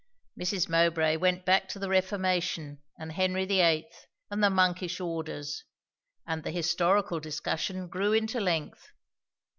Mrs. Mowbray went back to the Reformation, and Henry the Eighth, and the monkish orders; and the historical discussion grew into length.